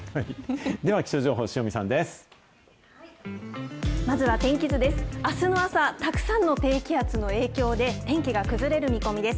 では、気象情報、塩見さんです。